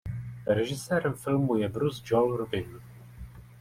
Režisérem filmu je Bruce Joel Rubin.